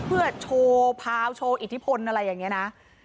เพื่อโชว์พาวโชว์อิทธิพลอะไรอย่างนี้นะ